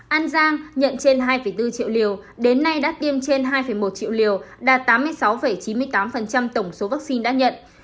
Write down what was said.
an giang nhận trên hai bốn triệu liều đến nay đã tiêm trên hai một triệu liều đạt tám mươi sáu chín mươi tám tổng số vaccine đã nhận